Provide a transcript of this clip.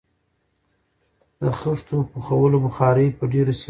د خښتو پخولو بخارۍ په ډیرو سیمو کې شته.